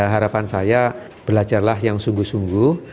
harapan saya belajarlah yang sungguh sungguh